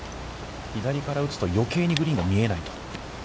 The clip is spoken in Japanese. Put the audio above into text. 左から打つと余計にグリーンが見えないと。